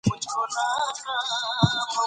د هنر په هره برخه کې د خدای ج د ښکلا نښې لیدل کېږي.